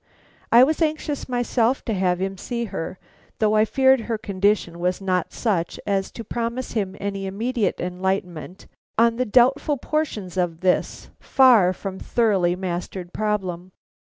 I was anxious myself to have him see her, though I feared her condition was not such as to promise him any immediate enlightenment on the doubtful portions of this far from thoroughly mastered problem.